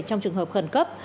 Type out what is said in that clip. trong trường hợp khẩn cấp